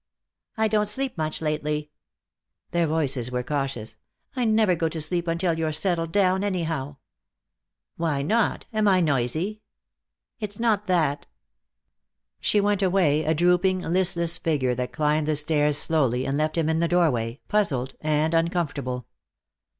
"I don't sleep much lately." Their voices were cautious. "I never go to sleep until you're settled down, anyhow." "Why not? Am I noisy?" "It's not that." She went away, a drooping, listless figure that climbed the stairs slowly and left him in the doorway, puzzled and uncomfortable.